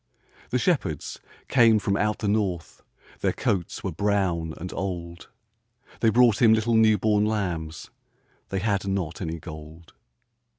The shepherds came from out the north, Their coats were brown and old, They brought Him little new born lambs They had not any gold.